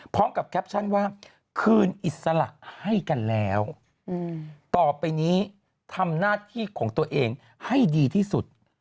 พร้อมกับแคปชั่นว่าคืนอิสระให้กันแล้วต่อไปนี้ทำหน้าที่ของตัวเองให้ดีที่สุด